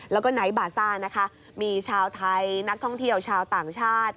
แล้วก็ไนท์บาซ่านะคะมีชาวไทยนักท่องเที่ยวชาวต่างชาติ